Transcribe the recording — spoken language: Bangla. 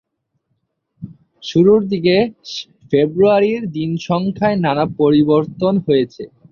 শুরুর দিকে ফেব্রুয়ারির দিনসংখ্যায় নানা পরিবর্তন হয়েছে।